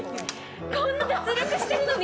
こんな脱力してるのに！